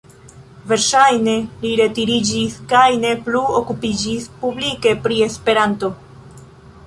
Verŝajne li retiriĝis kaj ne plu okupiĝis publike pri Esperanto.